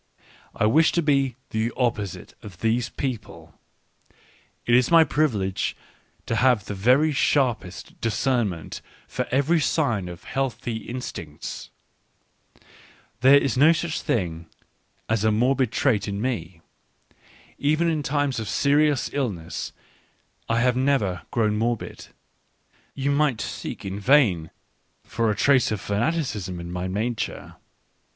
... ^wish to be the opposite of these people : it is my privilege to have the very sharpest discernment for every sign of healthy in stincts. There is no such thing as a morbid trait in me : even in times of serious illness I have never Digitized by Google WHY I AM SO CLEVER 53 grown morbid, and you might seek in vain for a trace of fanaticism in my nature.